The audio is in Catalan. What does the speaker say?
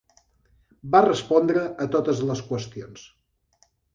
Va respondre a totes les qüestions.